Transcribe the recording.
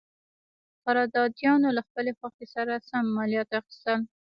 قراردادیانو له خپلې خوښې سره سم مالیات اخیستل.